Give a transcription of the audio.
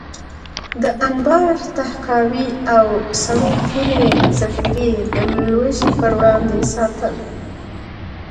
د انبار، تحکاوي او سړو خونې ذخیرې د لوږې پر وړاندې ساتل.